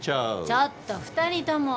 ちょっと２人とも。